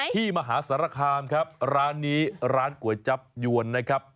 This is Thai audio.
มหาสารคามครับร้านนี้ร้านก๋วยจับยวนนะครับ